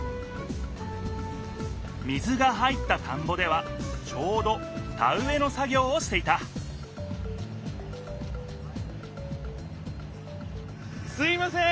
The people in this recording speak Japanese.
水が入った田んぼではちょうど田うえの作ぎょうをしていたすみません！